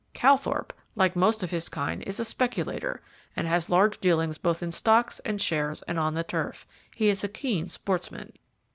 Calthorpe, like most of his kind, is a speculator, and has large dealings both in stocks and shares and on the turf. He is a keen sportsman.